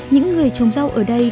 những người trồng rau ở đây